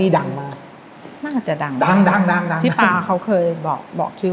นี่ดังมากน่าจะดังดังดังดังที่ปลาเขาเคยบอกบอกชื่อ